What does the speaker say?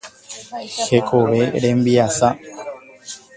Hekove rembiasa.